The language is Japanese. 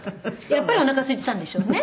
「やっぱりおなかすいていたんでしょうね」